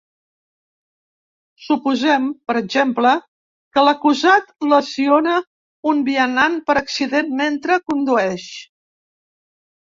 Suposem, per exemple, que l'acusat lesiona un vianant per accident mentre condueix.